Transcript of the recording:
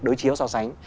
đối chiếu so sánh